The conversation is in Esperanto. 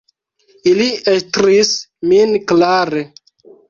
Ili estris min klare.